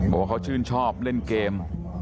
บอกว่าเขาชื่นชอบเล่นเกม